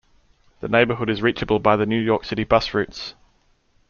The neighborhood is reachable by the New York City Bus routes.